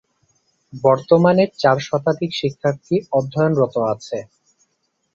বর্তমানে চার শতাধিক শিক্ষার্থী অধ্যয়নরত আছে।